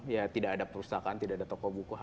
ya tidak ada perpustakaan tidak ada toko buku